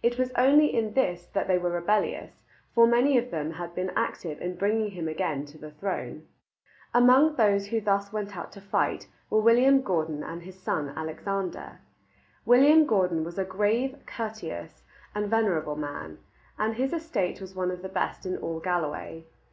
It was only in this that they were rebellious, for many of them had been active in bringing him again to the throne. Among those who thus went out to fight were William Gordon and his son Alexander. William Gordon was a grave, courteous, and venerable man, and his estate was one of the best in all Galloway.